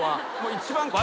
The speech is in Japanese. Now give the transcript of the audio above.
一番。